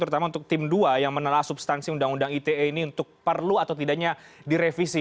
terutama untuk tim dua yang menelah substansi undang undang ite ini untuk perlu atau tidaknya direvisi